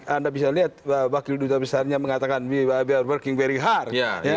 anda bisa lihat wakil duta besarnya mengatakan well working very hard